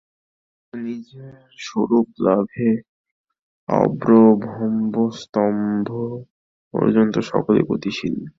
কিন্তু নিজের স্বরূপলাভে আব্রহ্মস্তম্ব পর্যন্ত সকলেই গতিশীল।